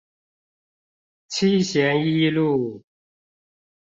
七賢一路